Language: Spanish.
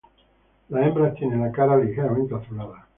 Las hembras tienen la cara ligeramente azulada.